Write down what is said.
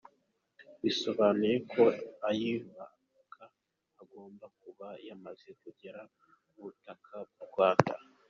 Bisobanuye ko uyihabwa agomba kuba yamaze kugera ku butaka bw’u Rwanda !